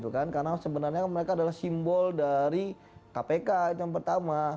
karena sebenarnya mereka adalah simbol dari kpk yang pertama